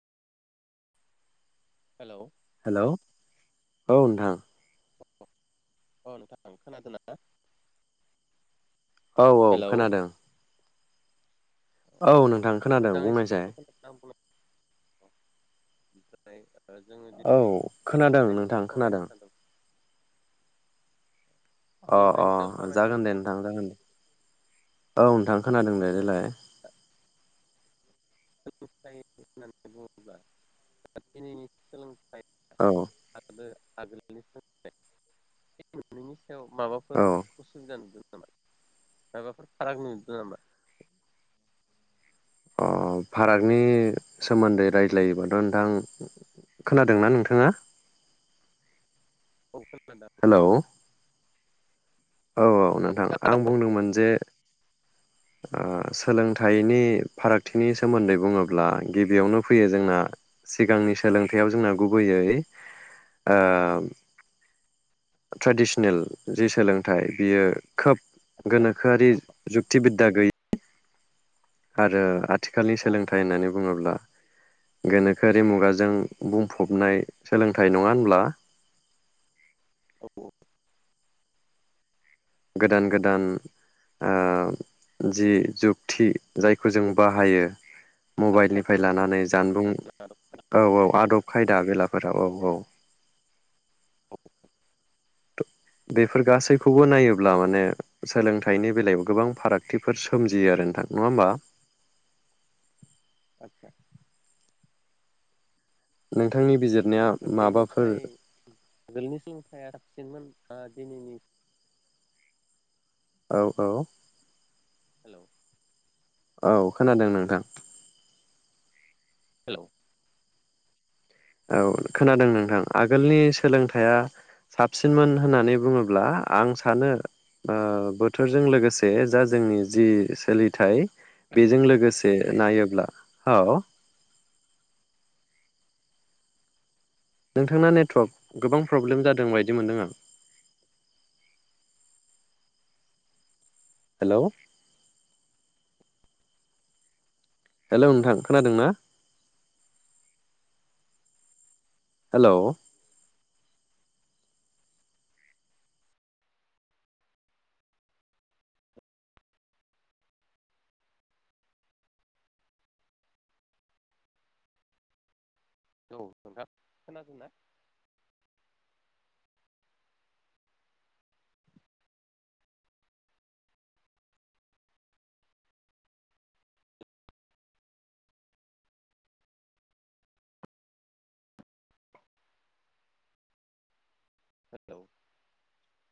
Hello. Hello, औ नोंथां। अ नोंथां खोनादो ना? औ औ हेलौ खोनादों। औ नों मोजाङै स्पस्त' [unintelligible] [unintelligible] ओ जोङो औ दिनै खोनादों सोलोंथाइनि नोंथां सायाव खोनादों सावरायनो सानदों। अ अ सोलोंथाइनि सायाव सावरायनो जागोन सानदों दे नोंथां जागोन दे। औ नोंथां खोनादों दे ओरैनो देलाय। [unintelligible] बुङोब्ला दिनैनि सोलों औ [unintelligible] आबो आगोल औ माबाफोर औ उसुबिदा नुदों। माबाफोर फाराग नुदों नामा? अ फारागनि औ सोमोन्दै रायज्लायोमोन नोंथां खोनादोंना नोंथाङा खोनादों हेलौ औ औ नोंथां खोनादों आं बुंदोंमोन जे ओ सोलों थाइनि फारागथिनि सोमोन्दै बुङोब्ला गिबियावनो फैयो जोंना सिगांनि सोलोंथाइयाव जोंना गुबैयै ओ ट्रेडिसनेल जि सोलोंथाइ बियो खोब गोनोखोआरि औ जुक्टिबिद्दा गैयि आरो आथिखालनि औ सोलोंथाइ होननानै बुङोब्ला गोनोखोआरि मुगाजों बुंफबनाय सोलोंथाइ नङा होनब्ला औ गोदान गोदान ओ जि जुक्ति जायखौ जों बाहायो। आदब मबाइलनिफ्राय लानानै जानबुं खायदा आदब औ खायदा औ आदब खायदा बेलाफोराव औ औ औ बेफोर गासैखौबो नायोब्ला माने सोलोंथाइनि बेलायाव गोबां फारागथिफोर सोमजियो आरो नोंथां नङा होमबा [unintelligible] नों बेफोरनिफ्राय आगोलनि [unintelligible] मोन आ दिनैनि औ औ हेलौ, औ खोनादों नोंथां हेलौ, औ खोनादों नोंथां आगोलनि सोलोंथाइया साबसिनमोन होननानै बुङोब्ला आं सानो ओ बोथोरजों ओलोगोसे जा जोंनि जि सोलिथाय बेजों लोगोसे नायोब्ला औ नोंथांना नेटवर्क गोबां प्रब्लेम जादों बायदि मोनदों आं हेलौ, हेलौ नोंथां खोनादों ना हेलौ हेलौ औ नोंथा खोनादोंना? हेलौ,